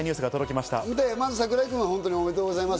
まず櫻井君は本当におめでとうございます。